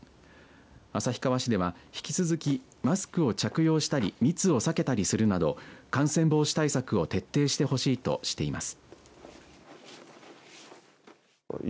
旭川市では、引き続きマスクを着用したり密を避けたりするなど感染防止対策を徹底してほしいとしています。